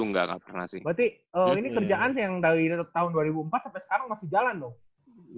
berarti ini kerjaan sih yang dari tahun dua ribu empat sampe sekarang masih jalan dong